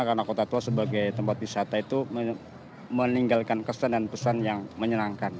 karena kota tua sebagai tempat wisata itu meninggalkan kesan dan pesan yang menyenangkan